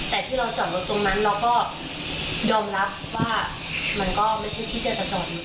แต่ที่เราจอดรถตรงนั้นเราก็ยอมรับว่ามันก็ไม่ใช่ที่จะจร